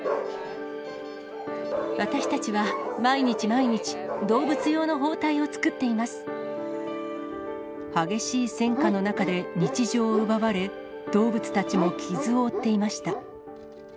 私たちは毎日毎日、動物用の激しい戦火の中で日常を奪われ、動物たちも傷を負っていました。